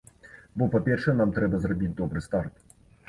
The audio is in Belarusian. Бо, па-першае, нам трэба зрабіць добры старт.